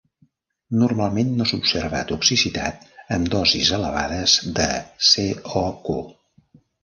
Normalment, no s'observa toxicitat amb dosis elevades de CoQ.